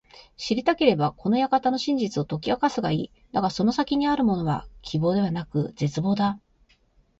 知りたければ、この館の真実を解き明かすがいい。だがその先にあるものは…希望ではなく絶望だ。